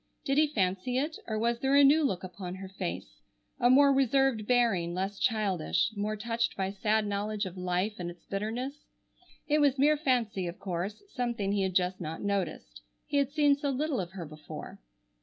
Did he fancy it, or was there a new look upon her face, a more reserved bearing, less childish, more touched by sad knowledge of life and its bitterness? It was mere fancy of course, something he had just not noticed. He had seen so little of her before.